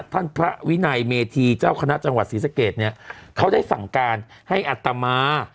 ท่านพระวินัยเมธีเจ้าคณะจังหวัดศรีสะเกดเนี่ยเขาได้สั่งการให้อัตมา